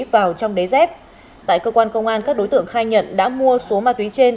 vào trong đáy dép tại cơ quan công an các đối tượng khai nhận đã mua số ma túy trên